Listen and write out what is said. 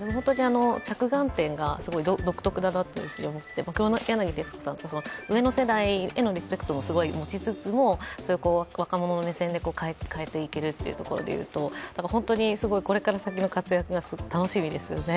着眼点がすごい独特だなと思って、黒柳徹子さん、上の世代へのリスペクトも持ちつつ、若者の目線で変えていけるというところでいうと本当にこれから先の活躍が楽しみですよね。